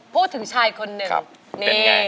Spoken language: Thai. พูดถึงชายคนหนึ่ง